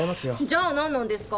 じゃあ何なんですか？